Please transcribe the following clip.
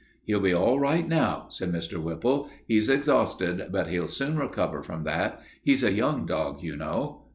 "He'll be all right now," said Mr. Whipple. "He's exhausted, but he'll soon recover from that. He's a young dog, you know."